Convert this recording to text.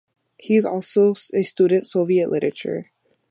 He is also a student of Soviet literature.